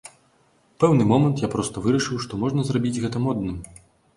У пэўны момант я проста вырашыў, што можна зрабіць гэта модным.